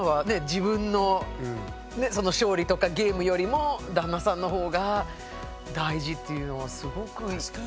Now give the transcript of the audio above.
自分の勝利とかゲームよりも旦那さんの方が大事っていうのはすごくいい。